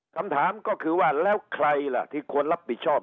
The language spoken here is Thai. คำถามก็คือว่าแล้วใครล่ะที่ควรรับผิดชอบ